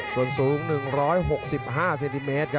ส่วนสูง๑๖๕เซนติเมตร